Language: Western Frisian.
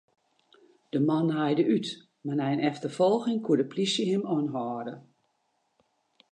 De man naaide út, mar nei in efterfolging koe de plysje him oanhâlde.